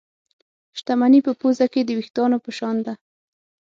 شتمني په پوزه کې د وېښتانو په شان ده.